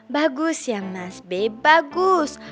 bagus ya mas be bagus